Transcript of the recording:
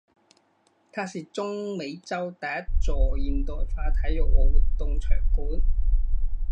它是中美洲第一座现代化体育和活动场馆。